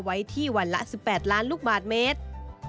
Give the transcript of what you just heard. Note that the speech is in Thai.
ไว้ที่วันละ๑๘ล้านลูกบาทเมตร